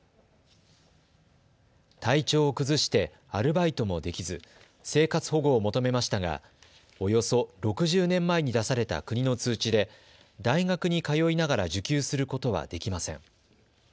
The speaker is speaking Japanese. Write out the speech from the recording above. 体調を崩してアルバイトもできず生活保護を求めましたがおよそ６０年前に出された国の通知で大学に通いながら受給することはできません。